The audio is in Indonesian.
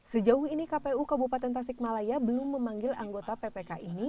sejauh ini kpu kabupaten tasikmalaya belum memanggil anggota ppk ini